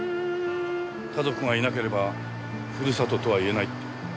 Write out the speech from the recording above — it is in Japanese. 家族がいなければ故郷とは言えないって。